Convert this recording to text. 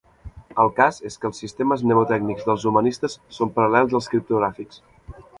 El cas és que els sistemes mnemotècnics dels humanistes són paral·lels als criptogràfics.